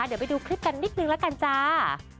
เดี๋ยวไปดูคลิปกันนิดนึงละกันจ้า